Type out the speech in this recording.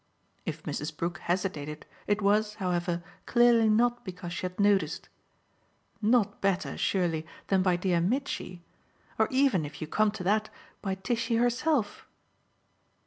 If Mrs. Brook hesitated it was, however, clearly not because she had noticed. "Not better surely than by dear Mitchy? Or even if you come to that by Tishy herself."